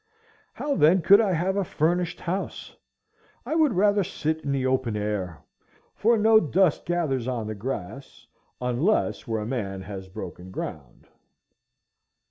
How, then, could I have a furnished house? I would rather sit in the open air, for no dust gathers on the grass, unless where man has broken ground.